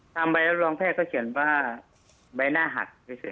ใบรับรองแพทย์ก็เขียนว่าใบหน้าหักเฉย